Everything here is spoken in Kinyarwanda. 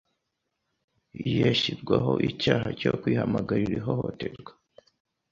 yashyirwaho icyaha cyo kwihamagarira ihohoterwa